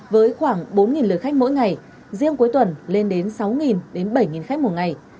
với khoảng bốn lượt khách mỗi ngày riêng cuối tuần lên đến sáu đến bảy khách mỗi ngày